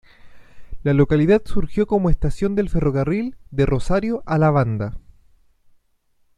La localidad surgió como estación del ferrocarril de Rosario a La Banda.